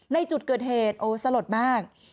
ในจุดเกิดเหตุโอ้สลดมาก